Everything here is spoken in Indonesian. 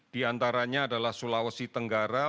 diantaranya adalah sulawesi tenggara